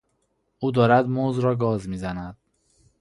او دارد موز را گاز میزند.